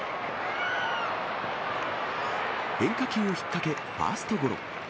変化球を引っ掛け、ファーストゴロ。